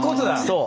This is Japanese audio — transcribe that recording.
そう。